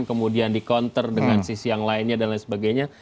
kemudian di counter dengan sisi yang lainnya dan lain sebagainya